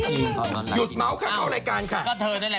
หยุดเมาส์ค่ะเข้ารายการค่ะโอ้โฮตายตาย